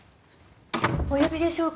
お呼びでしょうか？